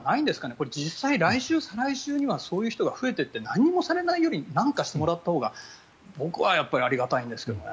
これは実際、来週、再来週には増えていって何もされないより何かされたほうが僕はありがたいんですけどね。